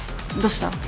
どうした？